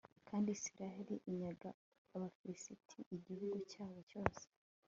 kandi israheli inyaga abafilisiti igihugu cyabo cyose